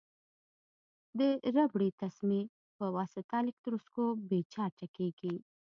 د ربړي تسمې په واسطه الکتروسکوپ بې چارجه کړئ.